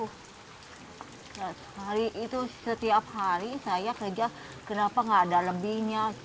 sehari itu setiap hari saya kerja kenapa nggak ada lebihnya